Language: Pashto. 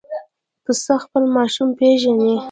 پسه خپل ماشوم پېژني.